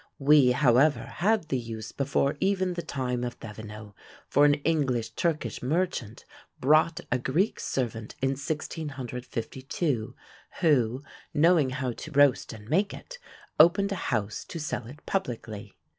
We, however, had the use before even the time of Thevenot; for an English Turkish merchant brought a Greek servant in 1652, who, knowing how to roast and make it, opened a house to sell it publicly.